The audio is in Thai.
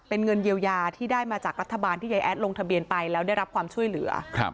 เป็นเงินเยียวยาที่ได้มาจากรัฐบาลที่ยายแอดลงทะเบียนไปแล้วได้รับความช่วยเหลือ